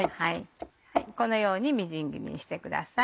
このようにみじん切りにしてください。